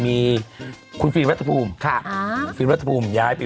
มีคุณฟรีลฤทธี่ภูมิฟรีลฤทธิภูมิย้ายไป